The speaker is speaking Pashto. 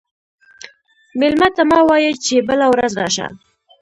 مېلمه ته مه وایه چې بله ورځ راشه.